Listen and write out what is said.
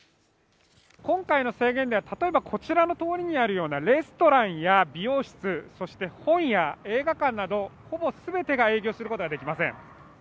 今回の制限では例えば、こちらの通りにあるようなレストランや美容室、そして本屋、映画館などほぼ全てが営業することができません。